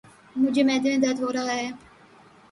مجھے معدے میں درد ہو رہا ہے۔